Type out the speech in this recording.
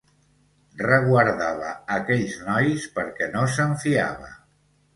Reguardava aquells nois perquè no se'n fiava.